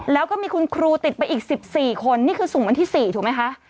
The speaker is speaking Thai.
แล้วก็มีคุณครูติดไปอีก๑๔คนนี่คือส่งวันที่๔ถูกไหมคะ